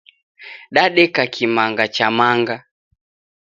Dadeka kimanga cha manga.